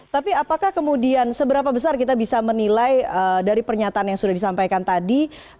tapi apakah kemudian seberapa besar kita bisa menilai dari pernyataan yang sudah disampaikan tadi